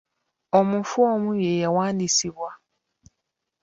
Omufu omu ye yawandiisibwa.